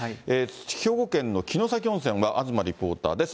兵庫県の城崎温泉は、東リポーターです。